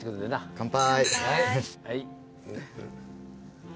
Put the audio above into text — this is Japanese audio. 乾杯！